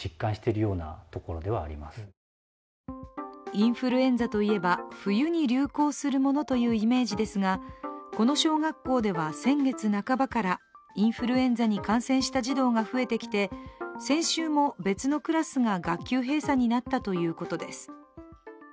インフルエンザといえば、冬に流行するものというイメージですがこの小学校では先月半ばからインフルエンザに感染した児童が増えてきて先週も別のクラスが学級閉鎖になったということです。